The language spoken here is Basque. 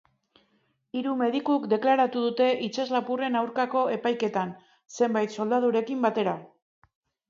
Hiru medikuk deklaratu dute itsaslapurren aurkako epaiketan, zenbait soldadurekin batera.